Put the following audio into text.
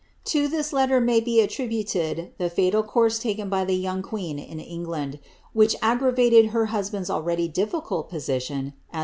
To this letter may be attributed the fatal course taken by the young queen iM England, which aggravated her husband's already difficult position as